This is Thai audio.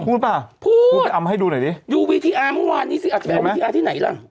พูดป่ะพูดเอามาให้ดูหน่อยดิยูวีทีอาร์เมื่อวานนี้สิเอาวีทีอาร์ที่ไหนล่ะ